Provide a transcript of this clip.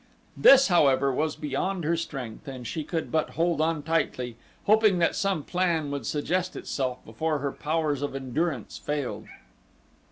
This, however, was beyond her strength and she could but hold on tightly, hoping that some plan would suggest itself before her powers of endurance failed.